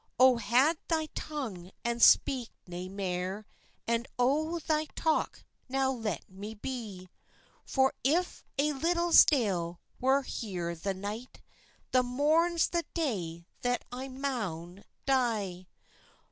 "Oh, had thy tongue, and speak nae mair, And o thy talk now let me be! For if a' Liddesdale were here the night, The morn's the day that I maun die.